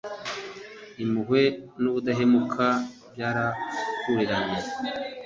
impuhwe n'ubudahemuka byarahuriranye